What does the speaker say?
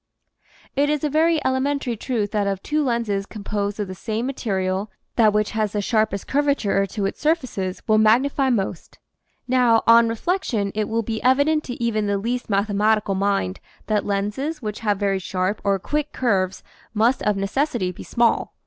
It is a very elementary truth that of two lenses composed of the same material that which has the sharpest curvature to its surfaces will magnify most. Now, on reflection it will be evident to even the least mathematical mind that lenses which have very sharp or '"quick" curves must of necessity be small.